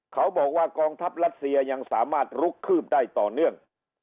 เขาบอกว่ากองทัพรัสเซียยังสามารถลุกคืบได้ต่อเนื่อง